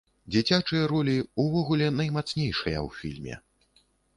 Дзіцячыя ролі, увогуле, наймацнейшыя ў фільме.